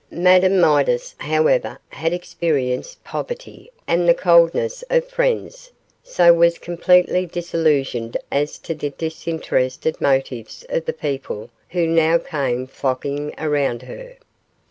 Madame Midas, however, had experienced poverty and the coldness of friends, so was completely disillusionised as to the disinterested motives of the people who now came flocking around her.